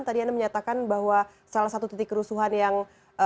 tadi anda menyatakan bahwa salah satu titik kerusuhan yang